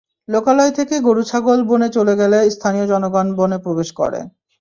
লোকালয় থেকে গরু ছাগল বনে চলে গেলে স্থানীয় জনগণ বনে প্রবেশ করে।